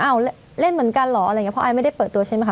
เอาเล่นเหมือนกันเหรออะไรอย่างเงี้เพราะไอซ์ไม่ได้เปิดตัวใช่ไหมค